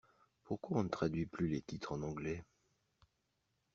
Pourquoi on ne traduit plus les titres en anglais?!